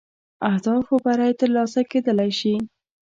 اهدافو بری تر لاسه کېدلای شي.